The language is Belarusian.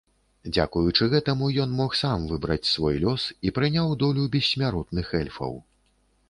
Дзякуючы гэтаму ён мог сам выбраць свой лёс і прыняў долю бессмяротных эльфаў.